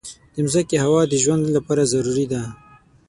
د مځکې هوا د ژوند لپاره ضروري ده.